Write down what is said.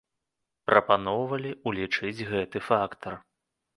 Прапаноўвалі ўлічыць гэты фактар.